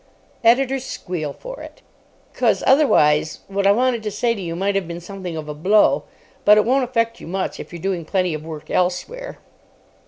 "Editors squeal for it." "Because, otherwise what I wanted to say to you might have been something of a blow. But it won't affect you much if you're doing plenty of work elsewhere."